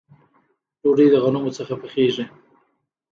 ډوډۍ د غنمو څخه پخیږي